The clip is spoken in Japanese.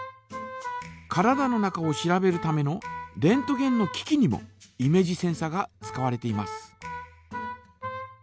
体の中を調べるためのレントゲンの機器にもイメージセンサが使われています。